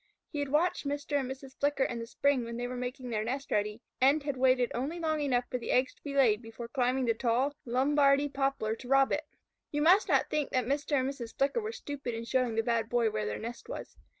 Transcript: He had watched Mr. and Mrs. Flicker in the spring when they were making their nest ready, and had waited only long enough for the eggs to be laid before climbing the tall Lombardy poplar to rob it. You must not think that Mr. and Mrs. Flicker were stupid in showing the Bad Boy where their nest was.